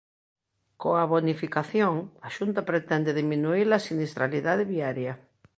Coa bonificación, a Xunta pretende diminuír a sinistralidade viaria.